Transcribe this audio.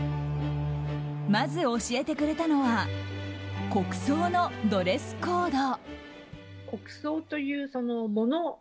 まず教えてくれたのは国葬のドレスコード。